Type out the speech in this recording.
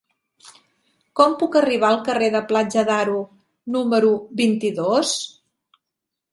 Com puc arribar al carrer de Platja d'Aro número vint-i-dos?